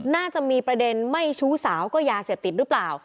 น่าจะมีประเด็นไม่ชู้สาวก็ยาเสพติดหรือเปล่า